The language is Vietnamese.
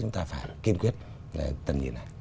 chúng ta phải kiên quyết tầm nhìn lại